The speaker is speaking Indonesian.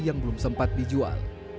dan belum sempat dijual